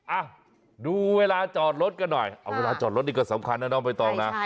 อ่ะดูเวลาจอดรถกันหน่อยเอาเวลาจอดรถนี่ก็สำคัญนะน้องใบตองนะ